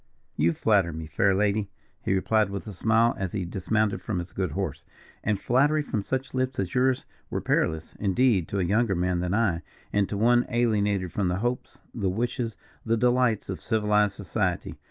"You flatter me, fair lady," he replied, with a smile, as he dismounted from his good horse; "and flattery from such lips as yours were perillous, indeed, to a younger man than I, and to one alienated from the hopes, the wishes, the delights of civilized society.